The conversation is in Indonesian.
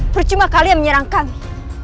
percuma kalian menyerang kami